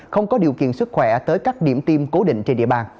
không có điều kiện sức khỏe tới các điểm tiêm cố định trên địa bàn